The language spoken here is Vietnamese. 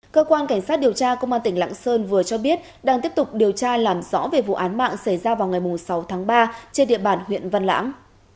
cơ quan cảnh sát điều tra công an tỉnh lạng sơn vừa cho biết đang tiếp tục điều tra làm rõ về vụ án mạng xảy ra vào ngày sáu tháng ba trên địa bàn huyện văn lãng